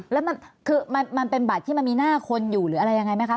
แล้วมันคือมันเป็นบัตรที่มันมีหน้าคนอยู่หรืออะไรยังไงไหมคะ